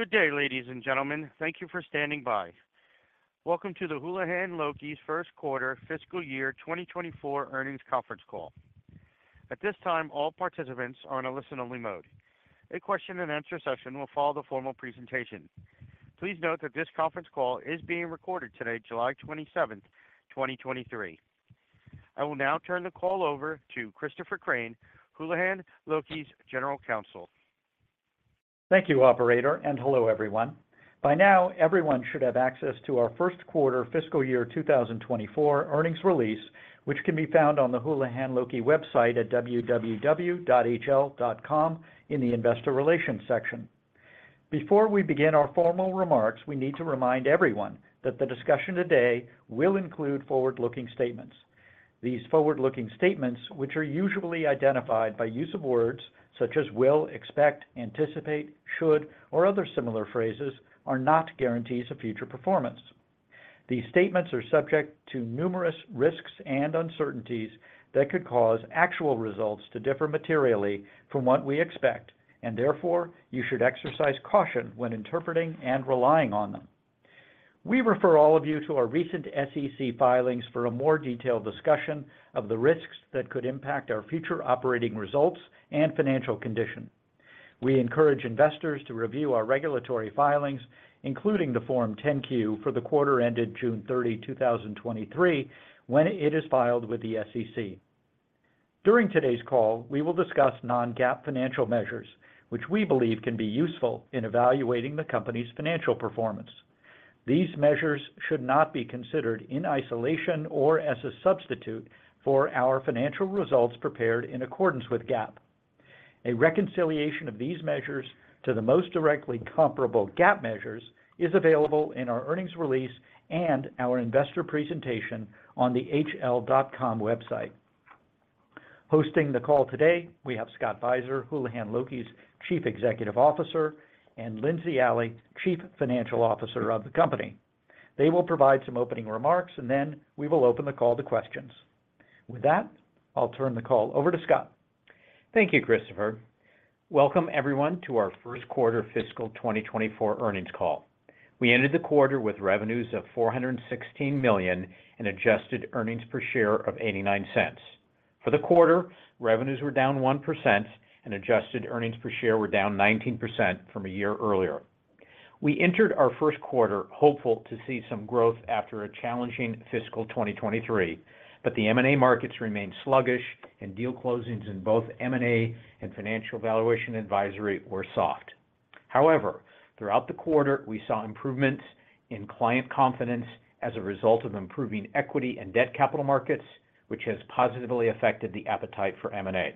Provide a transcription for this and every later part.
Good day, ladies and gentlemen. Thank you for standing by. Welcome to the Houlihan Lokey's First Quarter Fiscal Year 2024 Earnings Conference Call. At this time, all participants are on a listen-only mode. A question-and-answer session will follow the formal presentation. Please note that this conference call is being recorded today, July 27th, 2023. I will now turn the call over to Christopher Crain, Houlihan Lokey's General Counsel. Thank you, operator. Hello, everyone. By now, everyone should have access to our first quarter fiscal year 2024 earnings release, which can be found on the Houlihan Lokey website at www.hl.com in the Investor Relations section. Before we begin our formal remarks, we need to remind everyone that the discussion today will include forward-looking statements. These forward-looking statements, which are usually identified by use of words such as will, expect, anticipate, should, or other similar phrases, are not guarantees of future performance. These statements are subject to numerous risks and uncertainties that could cause actual results to differ materially from what we expect. Therefore, you should exercise caution when interpreting and relying on them. We refer all of you to our recent SEC filings for a more detailed discussion of the risks that could impact our future operating results and financial condition. We encourage investors to review our regulatory filings, including the Form 10-Q for the quarter ended June 30, 2023, when it is filed with the SEC. During today's call, we will discuss non-GAAP financial measures, which we believe can be useful in evaluating the company's financial performance. These measures should not be considered in isolation or as a substitute for our financial results prepared in accordance with GAAP. A reconciliation of these measures to the most directly comparable GAAP measures is available in our earnings release and our investor presentation on the hl.com website. Hosting the call today, we have Scott Beiser, Houlihan Lokey's Chief Executive Officer, and Lindsey Alley, Chief Financial Officer of the company. They will provide some opening remarks, and then we will open the call to questions. With that, I'll turn the call over to Scott. Thank you Christopher. Welcome, everyone, to our first quarter fiscal 2024 earnings call. We ended the quarter with revenues of $416 million and adjusted earnings per share of $0.89. For the quarter, revenues were down 1% and adjusted earnings per share were down 19% from a year earlier. We entered our first quarter hopeful to see some growth after a challenging fiscal 2023. The M&A markets remained sluggish and deal closings in both M&A and Financial and Valuation Advisory were soft. However, throughout the quarter, we saw improvements in client confidence as a result of improving equity and debt capital markets, which has positively affected the appetite for M&A.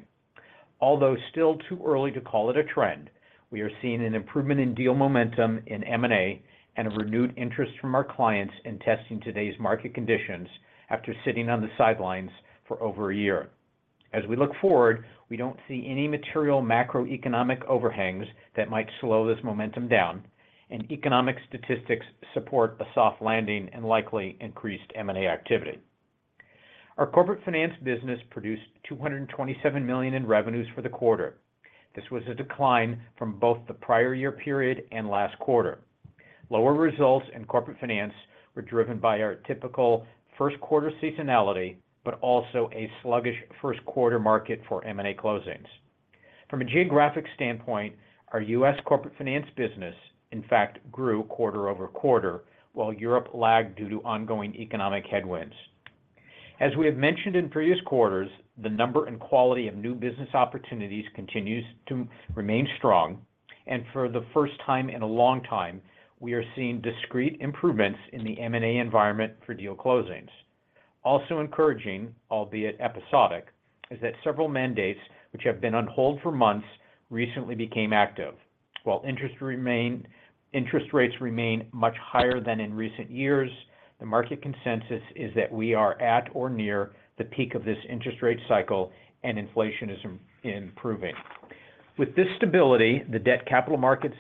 Although still too early to call it a trend, we are seeing an improvement in deal momentum in M&A and a renewed interest from our clients in testing today's market conditions after sitting on the sidelines for over a year. As we look forward, we don't see any material macroeconomic overhangs that might slow this momentum down, economic statistics support a soft landing and likely increased M&A activity. Our Corporate Finance business produced $227 million in revenues for the quarter. This was a decline from both the prior year period and last quarter. Lower results in Corporate Finance were driven by our typical first quarter seasonality, also a sluggish first quarter market for M&A closings. From a geographic standpoint, our U.S. Corporate Finance business, in fact, grew quarter-over-quarter, while Europe lagged due to ongoing economic headwinds. As we have mentioned in previous quarters, the number and quality of new business opportunities continues to remain strong, and for the first time in a long time, we are seeing discrete improvements in the M&A environment for deal closings. Also encouraging, albeit episodic, is that several mandates which have been on hold for months, recently became active. While interest rates remain much higher than in recent years, the market consensus is that we are at or near the peak of this interest rate cycle and inflation is improving. With this stability, the debt capital markets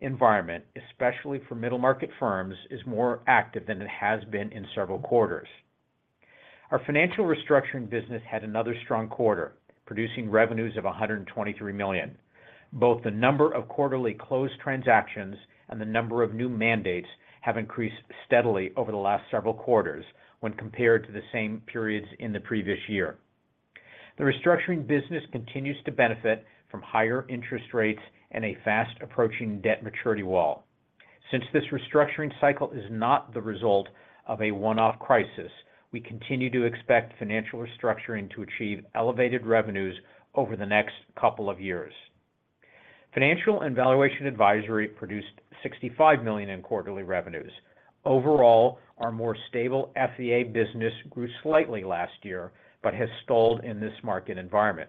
environment, especially for middle-market firms, is more active than it has been in several quarters. Our Financial Restructuring business had another strong quarter, producing revenues of $123 million. Both the number of quarterly closed transactions and the number of new mandates have increased steadily over the last several quarters when compared to the same periods in the previous year. The restructuring business continues to benefit from higher interest rates and a fast-approaching debt maturity wall. Since this restructuring cycle is not the result of a one-off crisis, we continue to expect Financial Restructuring to achieve elevated revenues over the next couple of years. Financial and Valuation Advisory produced $65 million in quarterly revenues. Overall, our more stable FVA business grew slightly last year, but has stalled in this market environment.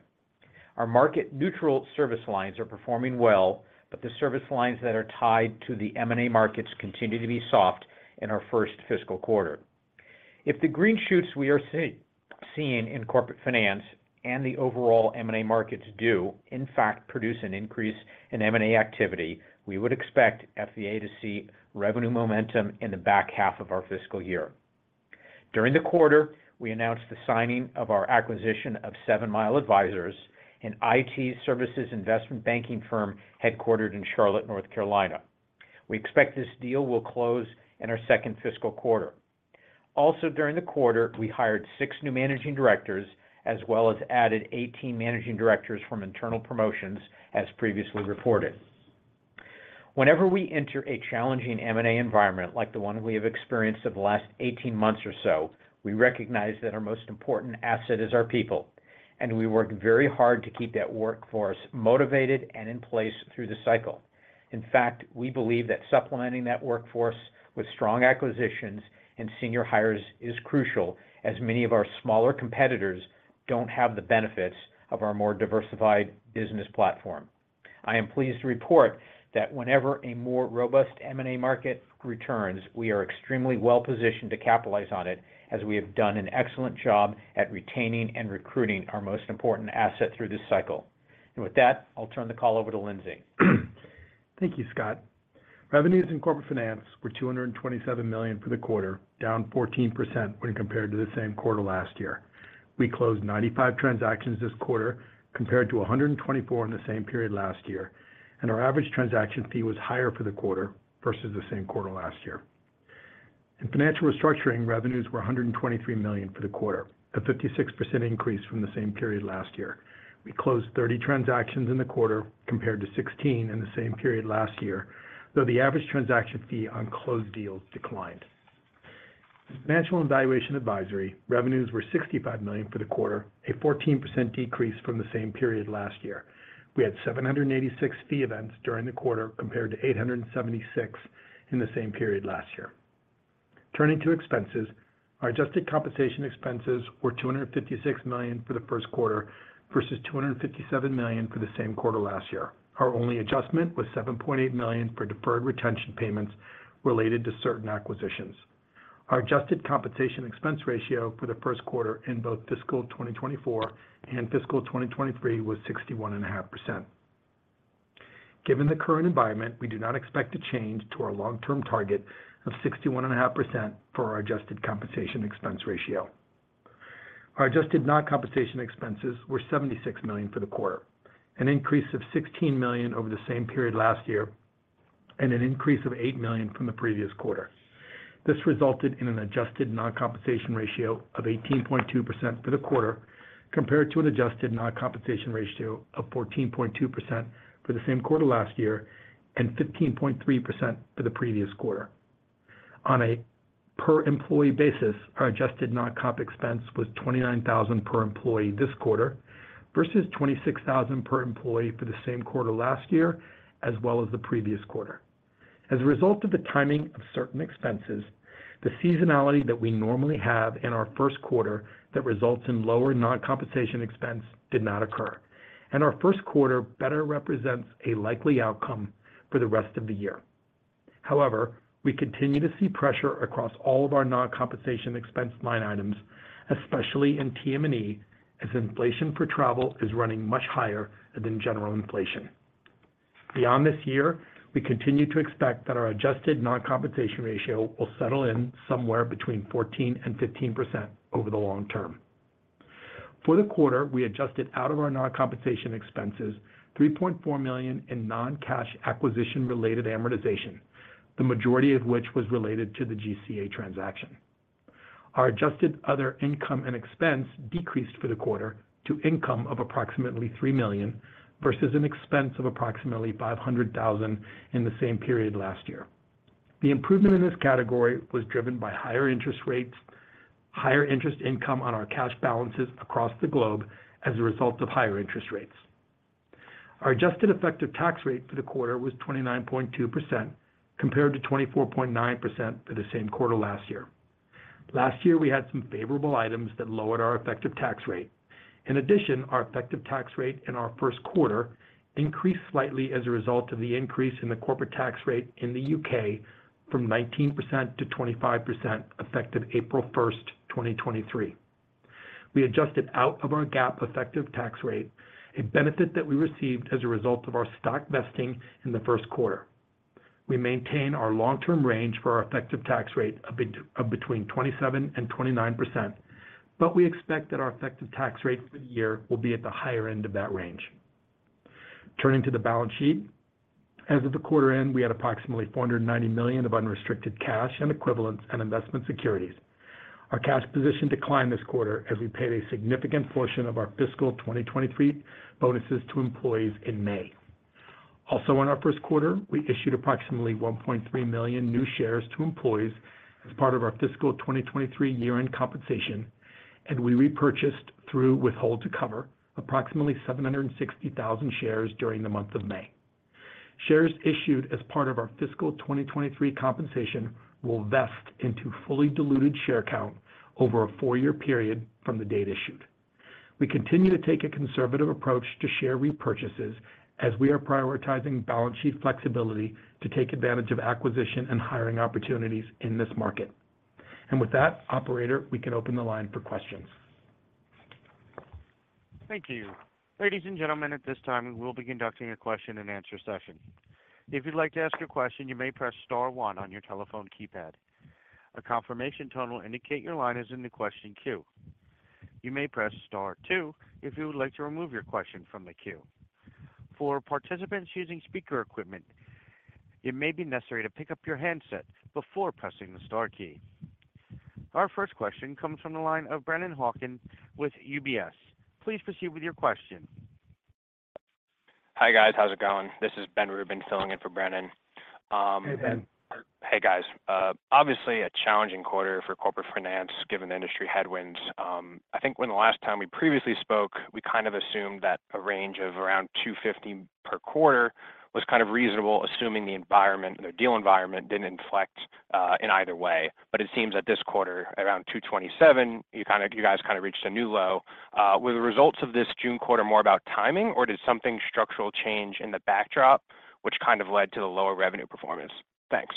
Our market-neutral service lines are performing well, but the service lines that are tied to the M&A markets continue to be soft in our first fiscal quarter. If the green shoots we are seeing in Corporate Finance and the overall M&A markets do, in fact, produce an increase in M&A activity, we would expect FVA to see revenue momentum in the back half of our fiscal year. During the quarter, we announced the signing of our acquisition of 7 Mile Advisors, an IT services investment banking firm headquartered in Charlotte, North Carolina. We expect this deal will close in our second fiscal quarter. During the quarter, we hired six new managing directors, as well as added 18 managing directors from internal promotions, as previously reported. Whenever we enter a challenging M&A environment like the one we have experienced over the last 18 months or so, we recognize that our most important asset is our people, and we work very hard to keep that workforce motivated and in place through the cycle. In fact, we believe that supplementing that workforce with strong acquisitions and senior hires is crucial, as many of our smaller competitors don't have the benefits of our more diversified business platform. I am pleased to report that whenever a more robust M&A market returns, we are extremely well-positioned to capitalize on it, as we have done an excellent job at retaining and recruiting our most important asset through this cycle. With that, I'll turn the call over to Lindsey. Thank you, Scott. Revenues in Corporate Finance were $227 million for the quarter, down 14% when compared to the same quarter last year. We closed 95 transactions this quarter, compared to 124 in the same period last year, and our average transaction fee was higher for the quarter versus the same quarter last year. In Financial Restructuring, revenues were $123 million for the quarter, a 56% increase from the same period last year. We closed 30 transactions in the quarter, compared to 16 in the same period last year, though the average transaction fee on closed deals declined. Financial and Valuation Advisory revenues were $65 million for the quarter, a 14% decrease from the same period last year. We had 786 fee events during the quarter, compared to 876 in the same period last year. Turning to expenses, our adjusted compensation expenses were $256 million for the first quarter versus $257 million for the same quarter last year. Our only adjustment was $7.8 million for deferred retention payments related to certain acquisitions. Our adjusted compensation expense ratio for the first quarter in both fiscal 2024 and fiscal 2023 was 61.5%. Given the current environment, we do not expect a change to our long-term target of 61.5% for our adjusted compensation expense ratio. Our adjusted non-compensation expenses were $76 million for the quarter, an increase of $16 million over the same period last year, and an increase of $8 million from the previous quarter. This resulted in an adjusted non-compensation ratio of 18.2% for the quarter, compared to an adjusted non-compensation ratio of 14.2% for the same quarter last year, and 15.3% for the previous quarter. On a per-employee basis, our adjusted non-comp expense was $29,000 per employee this quarter versus $26,000 per employee for the same quarter last year, as well as the previous quarter. As a result of the timing of certain expenses, the seasonality that we normally have in our first quarter that results in lower non-compensation expense did not occur, and our first quarter better represents a likely outcome for the rest of the year. However, we continue to see pressure across all of our non-compensation expense line items, especially in TM&E, as inflation for travel is running much higher than general inflation. Beyond this year, we continue to expect that our adjusted non-compensation ratio will settle in somewhere between 14% and 15% over the long term. For the quarter, we adjusted out of our non-compensation expenses $3.4 million in non-cash acquisition-related amortization, the majority of which was related to the GCA transaction. Our adjusted other income and expense decreased for the quarter to income of approximately $3 million versus an expense of approximately $500,000 in the same period last year. The improvement in this category was driven by higher interest rates, higher interest income on our cash balances across the globe as a result of higher interest rates. Our adjusted effective tax rate for the quarter was 29.2%, compared to 24.9% for the same quarter last year. Last year, we had some favorable items that lowered our effective tax rate. Our effective tax rate in our first quarter increased slightly as a result of the increase in the corporate tax rate in the U.K. from 19% to 25%, effective April 1st, 2023. We adjusted out of our GAAP effective tax rate, a benefit that we received as a result of our stock vesting in the first quarter. We maintain our long-term range for our effective tax rate of between 27% and 29%, we expect that our effective tax rate for the year will be at the higher end of that range. Turning to the balance sheet. As of the quarter end, we had approximately $490 million of unrestricted cash and equivalents in investment securities. Our cash position declined this quarter as we paid a significant portion of our fiscal 2023 bonuses to employees in May. Also in our first quarter, we issued approximately 1.3 million new shares to employees as part of our fiscal 2023 year-end compensation, we repurchased through withhold to cover approximately 760,000 shares during the month of May. Shares issued as part of our fiscal 2023 compensation will vest into fully diluted share count over a four-year period from the date issued. We continue to take a conservative approach to share repurchases as we are prioritizing balance sheet flexibility to take advantage of acquisition and hiring opportunities in this market. With that, operator, we can open the line for questions. Thank you. Ladies and gentlemen, at this time, we will be conducting a question-and-answer session. If you'd like to ask a question, you may press star one on your telephone keypad. A confirmation tone will indicate your line is in the question queue. You may press star two if you would like to remove your question from the queue. For participants using speaker equipment, it may be necessary to pick up your handset before pressing the star key. Our first question comes from the line of Brennan Hawken with UBS. Please proceed with your question. Hi, guys. How's it going? This is Ben Rubin, filling in for Brennan. Hey, Ben. Hey Ben. Hey, guys. Obviously, a challenging quarter for Corporate Finance, given the industry headwinds. I think when the last time we previously spoke, we kind of assumed that a range of around $250 million per quarter was kind of reasonable, assuming the environment, the deal environment didn't inflect in either way. But it seems that this quarter, around $227 million, you guys kinda reached a new low. Were the results of this June quarter more about timing, or did something structural change in the backdrop, which kind of led to the lower revenue performance? Thanks.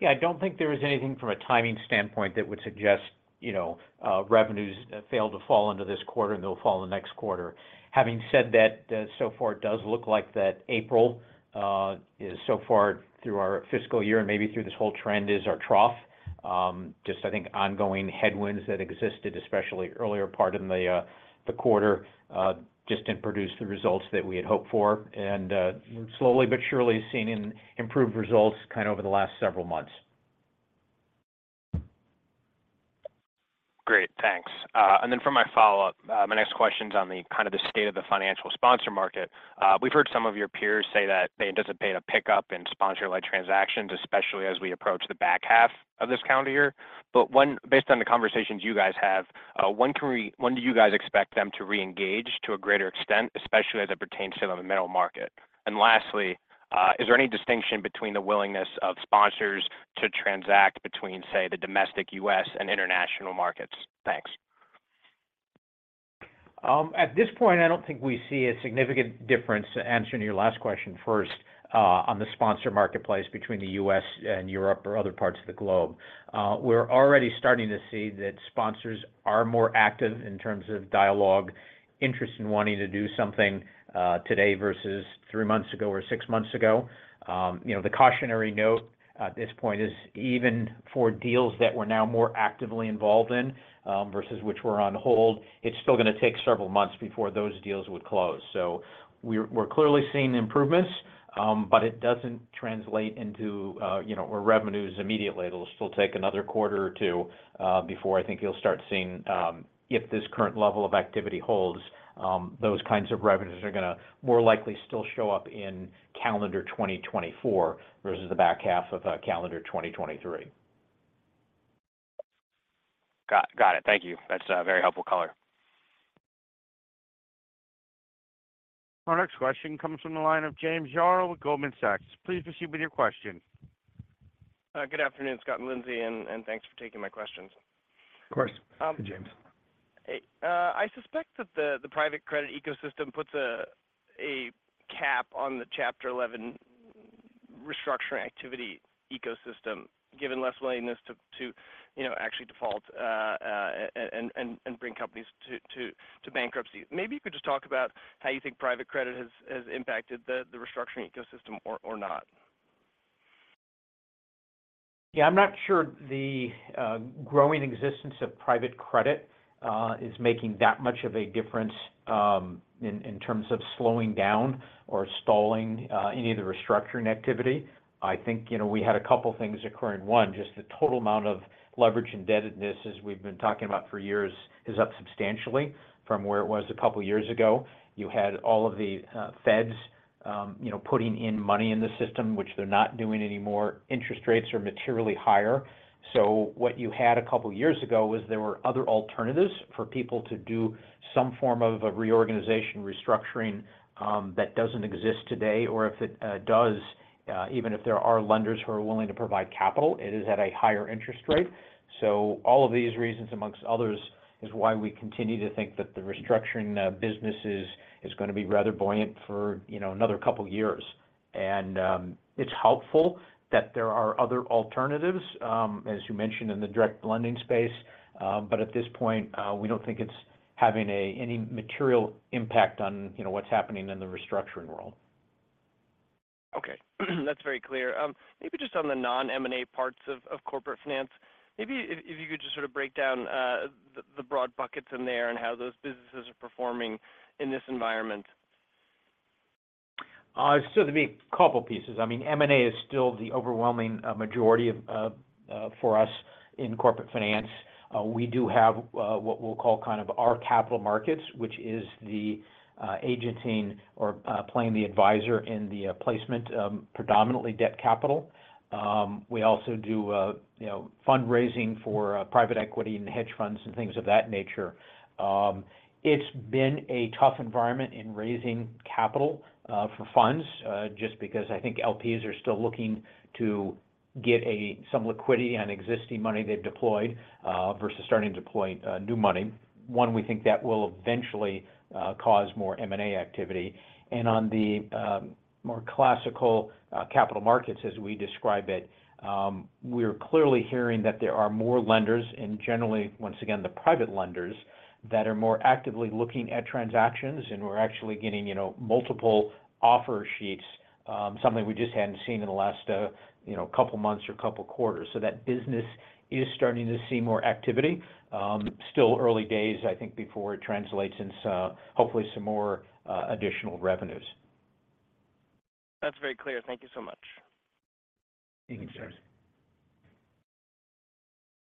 Yeah, I don't think there is anything from a timing standpoint that would suggest, you know, revenues fail to fall into this quarter, and they'll fall in the next quarter. Having said that, so far it does look like that April is so far through our fiscal year and maybe through this whole trend, is our trough. just I think ongoing headwinds that existed, especially earlier part in the quarter, just didn't produce the results that we had hoped for, and slowly but surely seeing improved results kind of over the last several months. Great, thanks. For my follow-up, my next question's on the kind of the state of the financial sponsor market. We've heard some of your peers say that they anticipate a pickup in sponsor-led transactions, especially as we approach the back half of this calendar year. When based on the conversations you guys have, when do you guys expect them to reengage to a greater extent, especially as it pertains to the middle market? Lastly, is there any distinction between the willingness of sponsors to transact between, say, the domestic U.S. and international markets? Thanks. At this point, I don't think we see a significant difference, to answer your last question first, on the sponsor marketplace between the U.S. and Europe or other parts of the globe. We're already starting to see that sponsors are more active in terms of dialogue, interest in wanting to do something, today versus three months ago or six months ago. You know, the cautionary note at this point is even for deals that we're now more actively involved in, versus which were on hold, it's still gonna take several months before those deals would close. We're, we're clearly seeing improvements, but it doesn't translate into, you know, our revenues immediately. It'll still take another quarter or two, before I think you'll start seeing, if this current level of activity holds, those kinds of revenues are gonna more likely still show up in calendar 2024 versus the back half of calendar 2023. Got, got it. Thank you. That's a very helpful color. Our next question comes from the line of James Yaro with Goldman Sachs. Please proceed with your question. Good afternoon, Scott and Lindsey, and thanks for taking my questions. Of course, James. Hey, I suspect that the private credit ecosystem puts a cap on the Chapter 11 restructuring activity ecosystem, given less willingness to, you know, actually default and bring companies to bankruptcy. Maybe you could just talk about how you think private credit has impacted the restructuring ecosystem or not? Yeah, I'm not sure the growing existence of private credit is making that much of a difference in, in terms of slowing down or stalling any of the restructuring activity. I think, you know, we had a couple things occurring. One, just the total amount of leverage indebtedness, as we've been talking about for years, is up substantially from where it was a couple years ago. You had all of the feds, you know, putting in money in the system, which they're not doing anymore. Interest rates are materially higher. What you had a couple years ago was there were other alternatives for people to do some form of a reorganization restructuring that doesn't exist today, or if it does, even if there are lenders who are willing to provide capital, it is at a higher interest rate. All of these reasons, amongst others, is why we continue to think that the restructuring business is gonna be rather buoyant for, you know, another couple years. It's helpful that there are other alternatives, as you mentioned in the direct lending space, but at this point, we don't think it's having any material impact on, you know, what's happening in the restructuring world. Okay, that's very clear. Maybe just on the non-M&A parts of, of Corporate Finance, maybe if, if you could just sort of break down, the, the broad buckets in there and how those businesses are performing in this environment? There'd be a couple pieces. I mean, M&A is still the overwhelming majority of for us in Corporate Finance. We do have what we'll call kind of our capital markets, which is the agenting or playing the advisor in the placement, predominantly debt capital. We also do, you know, fundraising for private equity and hedge funds, and things of that nature. It's been a tough environment in raising capital for funds, just because I think LPs are still looking to get some liquidity on existing money they've deployed versus starting to deploy new money. We think that will eventually cause more M&A activity. On the more classical capital markets, as we describe it, we're clearly hearing that there are more lenders, and generally, once again, the private lenders, that are more actively looking at transactions, and we're actually getting, you know, multiple offer sheets, something we just hadn't seen in the last, you know, couple months or couple quarters. That business is starting to see more activity. Still early days, I think, before it translates into hopefully some more additional revenues. That's very clear. Thank you so much. Thank you, sir.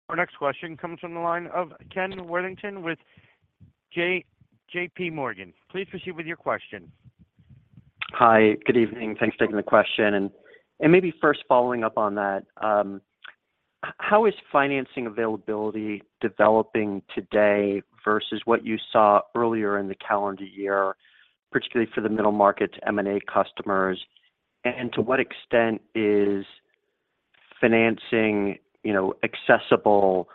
Our next question comes from the line of Ken Worthington with JPMorgan. Please proceed with your question. Hi, good evening. Thanks for taking the question. And maybe first following up on that, how is financing availability developing today versus what you saw earlier in the calendar year, particularly for the middle market M&A customers? And to what extent is financing, you know, accessible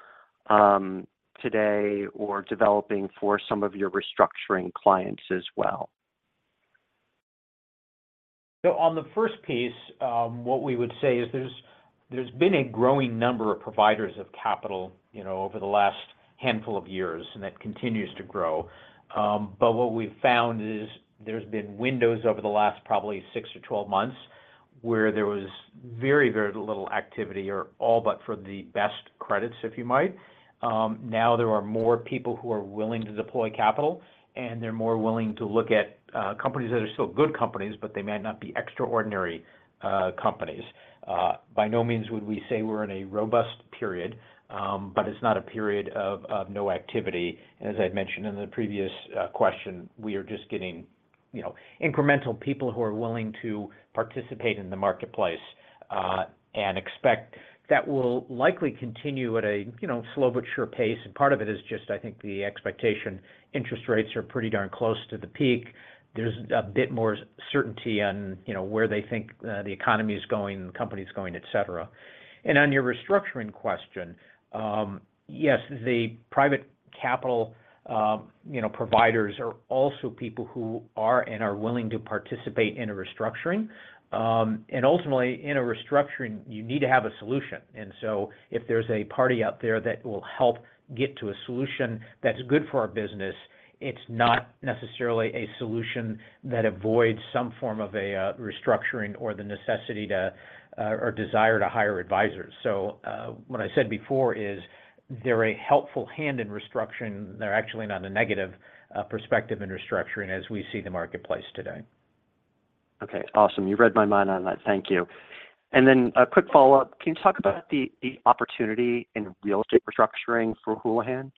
today or developing for some of your restructuring clients as well? On the first piece, what we would say is there's, there's been a growing number of providers of capital, you know, over the last handful of years, and that continues to grow. What we've found is there's been windows over the last probably 6-12 months, where there was very, very little activity or all but for the best credits, if you might. Now there are more people who are willing to deploy capital, and they're more willing to look at companies that are still good companies, but they might not be extraordinary companies. By no means would we say we're in a robust period, but it's not a period of, of no activity. As I'd mentioned in the previous question, we are just getting, you know, incremental people who are willing to participate in the marketplace, and expect that will likely continue at a, you know, slow but sure pace. Part of it is just, I think, the expectation. Interest rates are pretty darn close to the peak. There's a bit more certainty on, you know, where they think, the economy is going, the company is going, et cetera. On your restructuring question, yes, the private capital, you know, providers are also people who are and are willing to participate in a restructuring. Ultimately, in a restructuring, you need to have a solution. If there's a party out there that will help get to a solution that's good for our business, it's not necessarily a solution that avoids some form of a restructuring or the necessity to or desire to hire advisors. What I said before is, they're a helpful hand in restructuring. They're actually not a negative perspective in restructuring as we see the marketplace today. Okay, awesome. You read my mind on that. Thank you. Then a quick follow-up. Can you talk about the opportunity in real estate restructuring for Houlihan?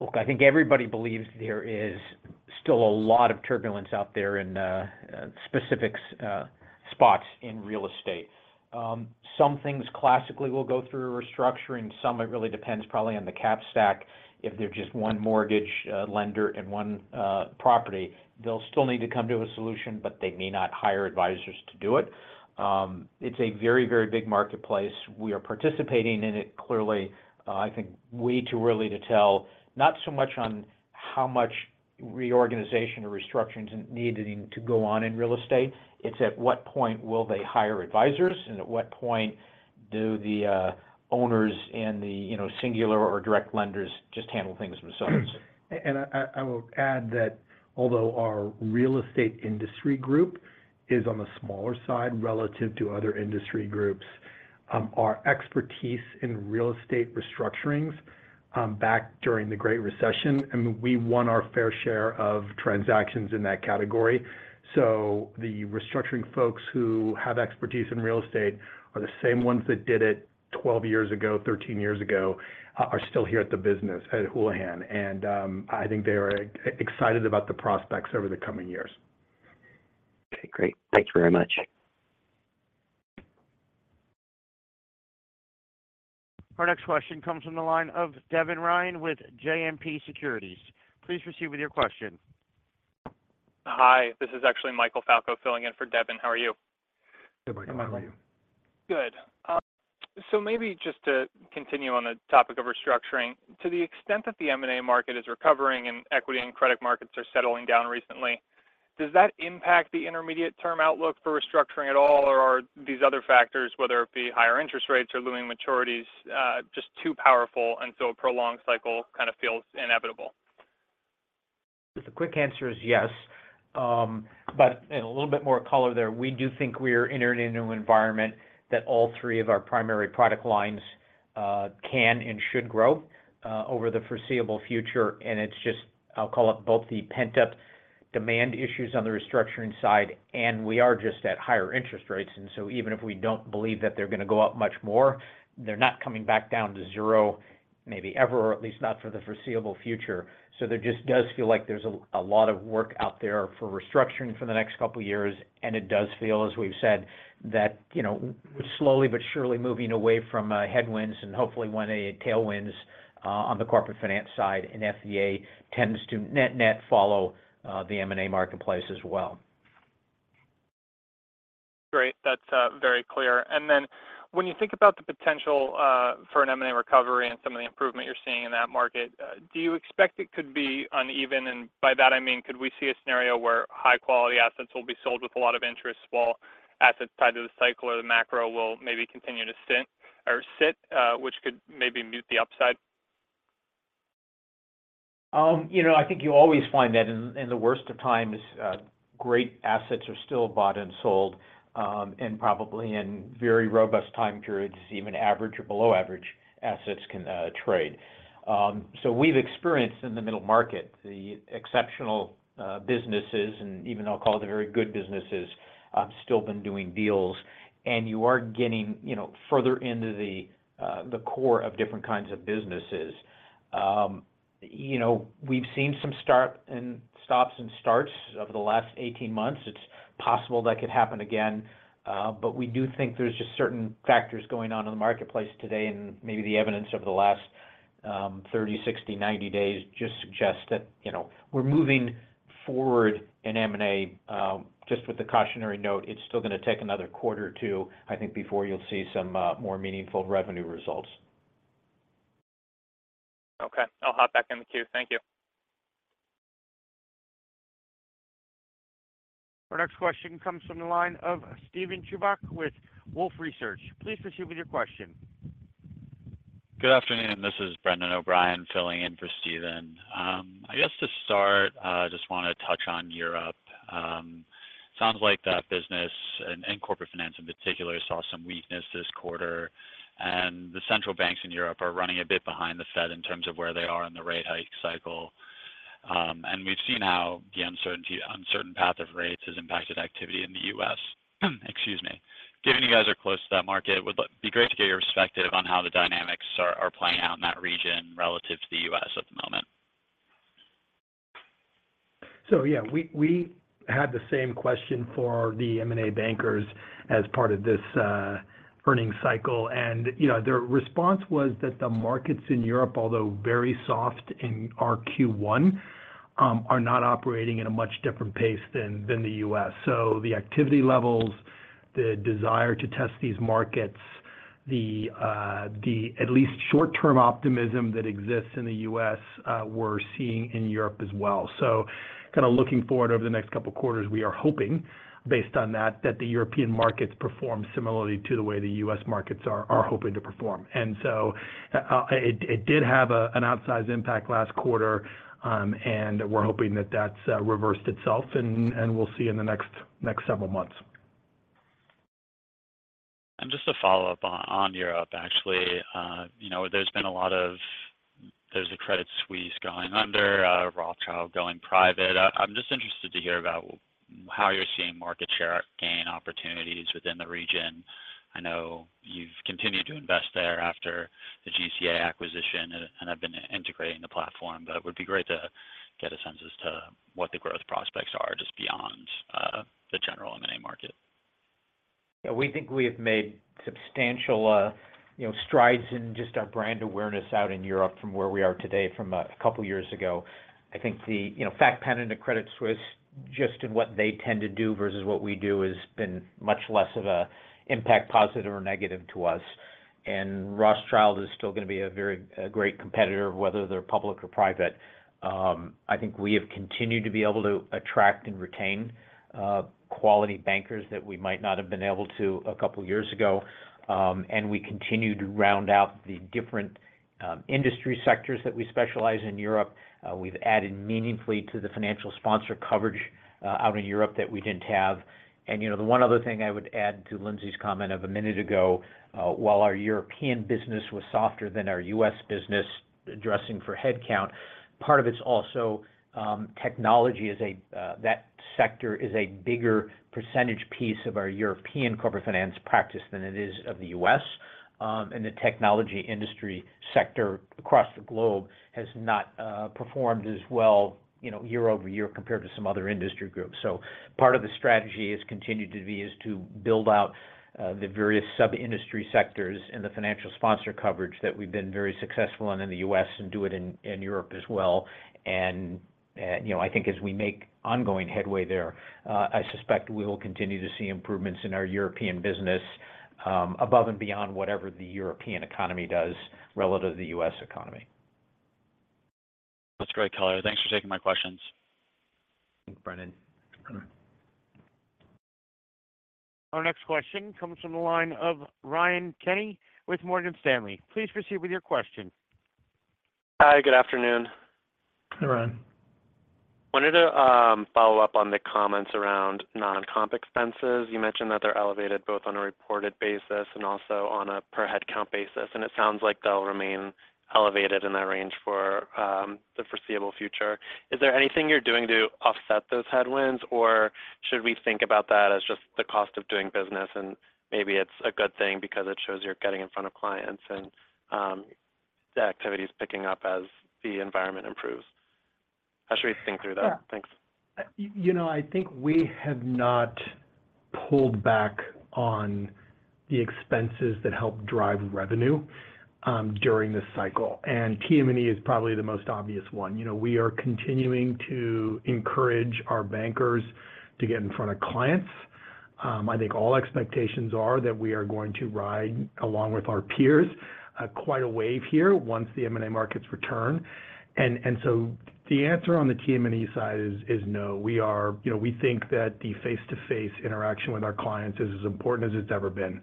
Look, I think everybody believes there is still a lot of turbulence out there in specific spots in real estate. Some things classically will go through a restructuring, some it really depends probably on the cap stack. If they're just one mortgage lender and one property, they'll still need to come to a solution, but they may not hire advisors to do it. It's a very, very big marketplace. We are participating in it. Clearly, I think way too early to tell, not so much on how much reorganization or restructuring is needing to go on in real estate. It's at what point will they hire advisors, and at what point do the owners and the, you know, singular or direct lenders just handle things themselves? I, I will add that although our real estate industry group is on the smaller side relative to other industry groups, our expertise in real estate restructurings, back during the Great Recession, and we won our fair share of transactions in that category. The restructuring folks who have expertise in real estate are the same ones that did it 12 years ago, 13 years ago, are still here at the business at Houlihan. I think they are excited about the prospects over the coming years. Okay, great. Thanks very much. Our next question comes from the line of Devin Ryan with JMP Securities. Please proceed with your question. Hi, this is actually Michael Falco filling in for Devin. How are you? Hey, Michael, how are you? Hi, Michael. Good. maybe just to continue on the topic of restructuring, to the extent that the M&A market is recovering and equity and credit markets are settling down recently, does that impact the intermediate-term outlook for restructuring at all, or are these other factors, whether it be higher interest rates or looming maturities, just too powerful, and so a prolonged cycle kind of feels inevitable? The quick answer is yes. A little bit more color there, we do think we are entering a new environment that all three of our primary product lines, can and should grow, over the foreseeable future. It's just, I'll call it both the pent-up demand issues on the restructuring side. We are just at higher interest rates. Even if we don't believe that they're going to go up much more, they're not coming back down to zero, maybe ever, or at least not for the foreseeable future. There just does feel like there's a lot of work out there for restructuring for the next couple of years, and it does feel, as we've said, that, you know, slowly but surely moving away from headwinds and hopefully when a tailwinds on the Corporate Finance side. FVA tends to net-net follow the M&A marketplace as well. Great. That's, very clear. Then when you think about the potential, for an M&A recovery and some of the improvement you're seeing in that market, do you expect it could be uneven? By that, I mean, could we see a scenario where high-quality assets will be sold with a lot of interest, while assets tied to the cycle or the macro will maybe continue to sit or sit, which could maybe mute the upside? You know, I think you always find that in, in the worst of times, great assets are still bought and sold, and probably in very robust time periods, even average or below average assets can trade. We've experienced in the middle market, the exceptional businesses, and even I'll call it the very good businesses, still been doing deals. You are getting, you know, further into the core of different kinds of businesses. You know, we've seen some start and stops and starts over the last 18 months. It's possible that could happen again, but we do think there's just certain factors going on in the marketplace today, and maybe the evidence over the last, 30, 60, 90 days just suggests that, you know, we're moving forward in M&A, just with the cautionary note, it's still gonna take another quarter or two, I think, before you'll see some, more meaningful revenue results. Okay. I'll hop back in the queue. Thank you. Our next question comes from the line of Steven Chubak with Wolfe Research. Please proceed with your question. Good afternoon. This is Brendan O'Brien filling in for Steven. I guess to start, I just wanna touch on Europe. Sounds like that business, and, and Corporate Finance in particular, saw some weakness this quarter, and the central banks in Europe are running a bit behind the Fed in terms of where they are in the rate hike cycle. We've seen how the uncertain path of rates has impacted activity in the U.S., excuse me. Given you guys are close to that market, it would be great to get your perspective on how the dynamics are, are playing out in that region relative to the U.S. at the moment. Yeah, we, we had the same question for the M&A bankers as part of this earnings cycle. You know, their response was that the markets in Europe, although very soft in our Q1, are not operating at a much different pace than the U.S. so the activity levels, the desire to test these markets, the at least short-term optimism that exists in the U.S., we're seeing in Europe as well. Kinda looking forward over the next couple of quarters, we are hoping, based on that, that the European markets perform similarly to the way the U.S. markets are, are hoping to perform. It, it did have a, an outsized impact last quarter, and we're hoping that that's reversed itself, and, and we'll see in the next, next several months. Just a follow-up on Europe, actually. you know, there's been a lot of... There's a Credit Suisse going under, Rothschild going private. I'm just interested to hear about how you're seeing market share gain opportunities within the region. I know you've continued to invest there after the GCA acquisition, and, and have been integrating the platform, but it would be great to get a sense as to what the growth prospects are just beyond the general M&A market? Yeah, we think we have made substantial, you know, strides in just our brand awareness out in Europe from where we are today from, a couple of years ago. I think the, you know, fact pattern to Credit Suisse, just in what they tend to do versus what we do, has been much less of a impact, positive or negative to us. Rothschild is still gonna be a very, a great competitor, whether they're public or private. I think we have continued to be able to attract and retain, quality bankers that we might not have been able to a couple of years ago, and we continue to round out the different, industry sectors that we specialize in Europe. We've added meaningfully to the financial sponsor coverage, out in Europe that we didn't have. You know, the one other thing I would add to Lindsey's comment of a minute ago, while our European business was softer than our U.S. business, addressing for head count, part of it's also, technology is a, that sector is a bigger percentage piece of our European Corporate Finance practice than it is of the U.S. and the technology industry sector across the globe has not performed as well, you know, year over year compared to some other industry groups. Part of the strategy has continued to be, is to build out the various sub-industry sectors and the financial sponsor coverage that we've been very successful in, in the U.S., and do it in, in Europe as well. You know, I think as we make ongoing headway there, I suspect we will continue to see improvements in our European business, above and beyond whatever the European economy does relative to the U.S. economy. That's great color. Thanks for taking my questions. Thanks, Brendan. Our next question comes from the line of Ryan Kenny with Morgan Stanley. Please proceed with your question. Hi, good afternoon. Hi, Ryan. Wanted to follow up on the comments around non-comp expenses. You mentioned that they're elevated both on a reported basis and also on a per head count basis. It sounds like they'll remain elevated in that range for the foreseeable future. Is there anything you're doing to offset those headwinds, or should we think about that as just the cost of doing business and maybe it's a good thing because it shows you're getting in front of clients, and the activity is picking up as the environment improves? How should we think through that? Yeah. Thanks. You know, I think we have not pulled back on the expenses that help drive revenue, during this cycle, and TM&E is probably the most obvious one. You know, we are continuing to encourage our bankers to get in front of clients. I think all expectations are that we are going to ride, along with our peers, quite a wave here once the M&A markets return. So the answer on the TM&E side is, is no. You know, we think that the face-to-face interaction with our clients is as important as it's ever been.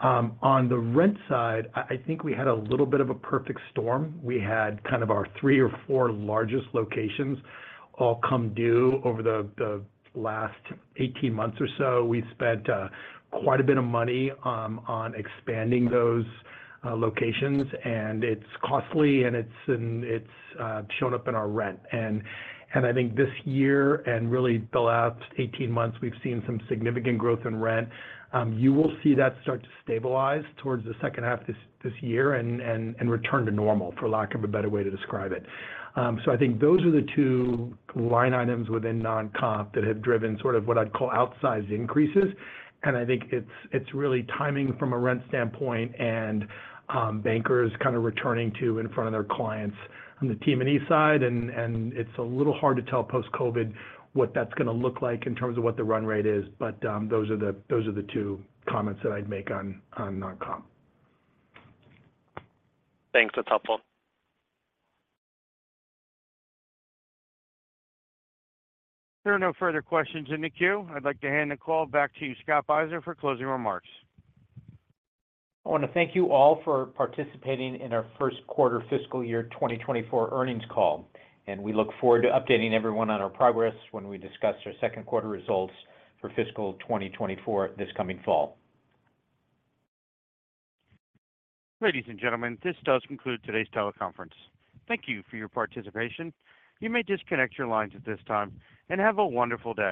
On the rent side, I think we had a little bit of a perfect storm. We had kind of our three or four largest locations all come due over the last 18 months or so. We spent quite a bit of money on expanding those locations, and it's costly and it's, and it's shown up in our rent. I think this year, and really the last 18 months, we've seen some significant growth in rent. You will see that start to stabilize towards the second half this year and return to normal, for lack of a better way to describe it. I think those are the two line items within non-comp that have driven sort of what I'd call outsized increases. I think it's, it's really timing from a rent standpoint and bankers kind of returning to in front of their clients on the TM&E side, and it's a little hard to tell post-COVID what that's gonna look like in terms of what the run rate is. Those are the, those are the two comments that I'd make on, on non-comp. Thanks. That's helpful. There are no further questions in the queue. I'd like to hand the call back to you, Scott Beiser, for closing remarks. I want to thank you all for participating in our first quarter fiscal year 2024 earnings call. We look forward to updating everyone on our progress when we discuss our second quarter results for fiscal 2024, this coming fall. Ladies and gentlemen, this does conclude today's teleconference. Thank you for your participation. You may disconnect your lines at this time, and have a wonderful day.